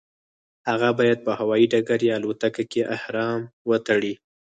هغه باید په هوایي ډګر یا الوتکه کې احرام وتړي.